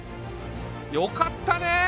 よかったねえ！